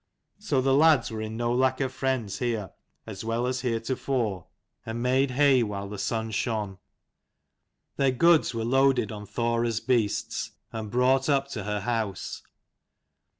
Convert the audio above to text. So the lads were in no lack of friends here as well as heretofore, and made 184 hay while the sun shone. Their goods were loaded on Thora's beasts, and brought up to her house.